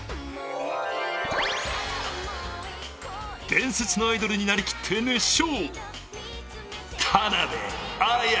伝説のアイドルになりきって熱唱。